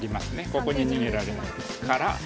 ここに逃げられないですから。